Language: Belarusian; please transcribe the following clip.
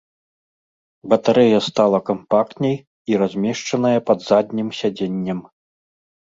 Батарэя стала кампактней і размешчаная пад заднім сядзеннем.